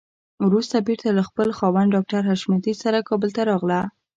وروسته بېرته له خپل خاوند ډاکټر حشمتي سره کابل ته راغله.